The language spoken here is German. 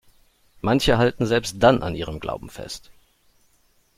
Manche halten selbst dann an ihrem Glauben fest.